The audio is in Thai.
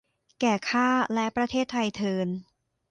แก่ข้าและประเทศไทยเทอญ